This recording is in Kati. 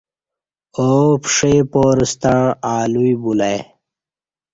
آو پݜئ پارہ ستع الوعی بُلہ ای